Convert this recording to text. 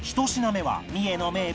１品目は三重の］